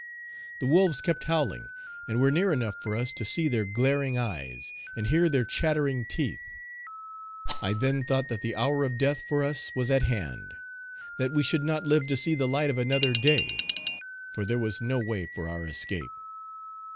The wolves kept howling, and were near enough for us to see their glaring eyes, and hear their chattering teeth. I then thought that the hour of death for us was at hand; that we should not live to see the light of another day; for there was no way for our escape.